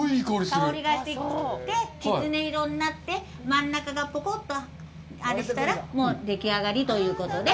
香りがしてきて、きつね色になって、真ん中がぽこっとあれしたらもうでき上がりということで。